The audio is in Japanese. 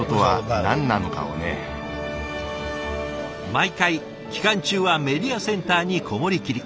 毎回期間中はメディアセンターに籠もりきり。